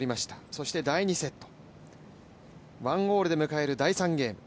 そして第２セット、ワンオールで迎える第２ゲーム。